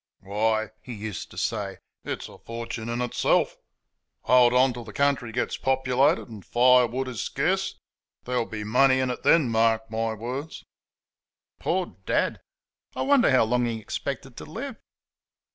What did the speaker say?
"Why," he used to say, "it's a fortune in itself. Hold on till the country gets populated, and firewood is scarce, there'll be money in it then mark my words!" Poor Dad! I wonder how long he expected to live?